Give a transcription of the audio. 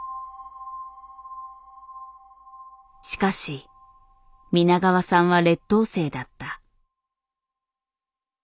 しかし皆川さんは劣等生だった。